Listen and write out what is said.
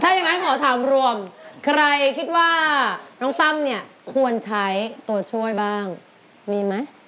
อย่างนั้นขอถามรวมใครคิดว่าน้องตั้มเนี่ยควรใช้ตัวช่วยบ้างมีไหม